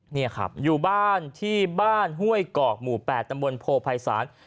นี่ครับอยู่บ้านที่บ้านห้วยกอกหมู่๘ตำบลโพภัยศาล